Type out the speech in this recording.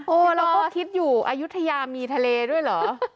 เราก็คิดอยู่อายุทยามีทะเลด้วยเหรอ